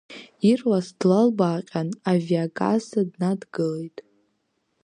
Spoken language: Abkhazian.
Ирлас длалбааҟьан, авиакасса днадгылеит.